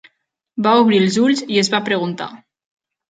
Va obrir els ulls i es va preguntar.